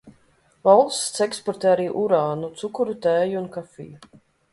Valsts eksportē arī urānu, cukuru, tēju un kafiju.